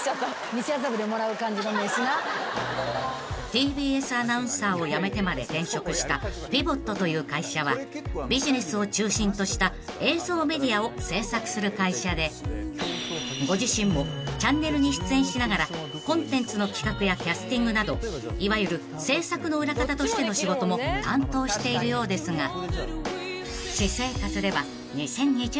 ［ＴＢＳアナウンサーを辞めてまで転職したＰＩＶＯＴという会社はビジネスを中心とした映像メディアを制作する会社でご自身もチャンネルに出演しながらコンテンツの企画やキャスティングなどいわゆる制作の裏方としての仕事も担当しているようですが私生活では］